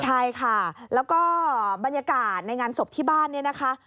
ใช่ค่ะแล้วก็บรรยากาศในงานศพที่บ้านเนี่ยนะคะ